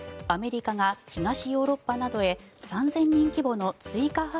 アメリカが東ヨーロッパなどへ３０００人規模の追加